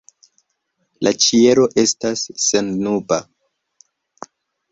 La ĉielo estas sennuba.